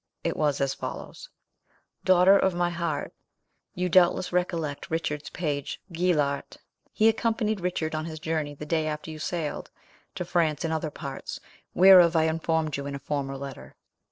It was as follows:— "Daughter of my heart,—You doubtless recollect Richard's page, Guillart. He accompanied Richard on his journey the day after you sailed, to France and other parts, whereof I informed you in a former letter.